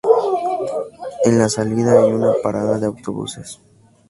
En la salida hay una parada de autobuses.